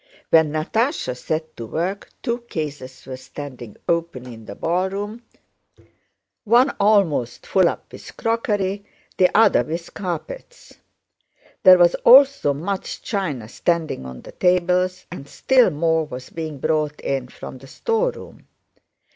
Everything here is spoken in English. When Natásha set to work two cases were standing open in the ballroom, one almost full up with crockery, the other with carpets. There was also much china standing on the tables, and still more was being brought in from the storeroom.